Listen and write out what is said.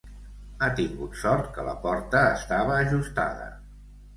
Ha tingut sort que la porta estava ajustada.